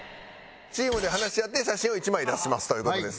チームで話し合って写真を１枚出しますという事ですね。